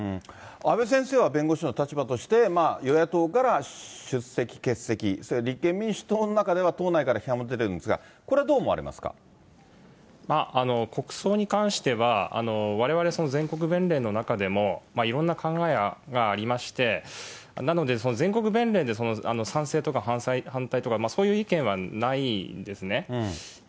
阿部先生は弁護士の立場として、与野党から出席、欠席、立憲民主党の中では党内から批判も出てるんですが、これはどう思国葬に関しては、われわれ全国弁連の中でもいろんな考えがありまして、なので、全国弁連で賛成とか反対とか、そういう意見はないんですね。